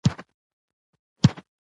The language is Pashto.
مدير صيب، سرښوونکو ،ښوونکو،